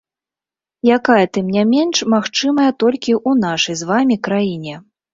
Якая, тым не менш, магчымая толькі ў нашай з вамі краіне.